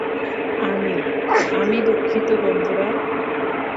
আমি, আমি দুঃখিত, বন্ধুরা।